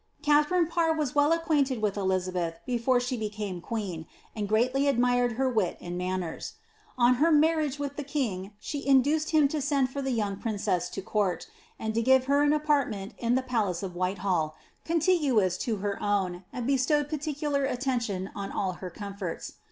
Katharine Parr was well acquainted with Elizabeth before ahe became queen, and greatly admired her wit and manners. On her Bm^ riage with the king she induced him to send for the young princess to court, and to give her an apartment in the palace of Whitehall, contigo ous to her own, and bestowed particular attention on ail her comforts.